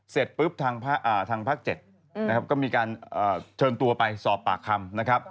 เสร็จปุ๊บทางภาค๗นะครับก็มีการเชิญตัวไปสอบปากคำนะครับ